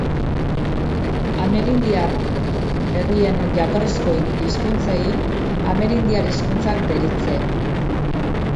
Amerindiar herrien jatorrizko hizkuntzei amerindiar hizkuntzak deritze.